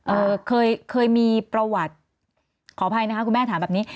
เอ่อเคยเคยมีประวัติขออภัยนะคะคุณแม่ถามแบบนี้